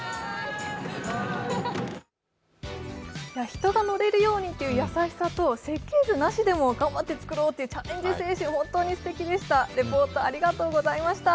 人が乗れるようにという優しさと、設計図なしでも頑張って作ろうというチャレンジ精神、本当にすてきでした。